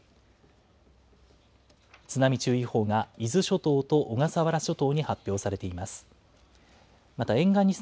津波注意報が伊豆諸島と小笠原諸島に発表されています。